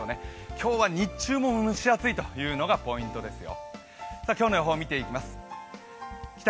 今日は日中も蒸し暑いというのがポイントですよ。